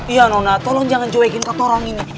iya nona tolong jangan joekin katorang ini